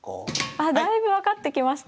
あだいぶ分かってきました。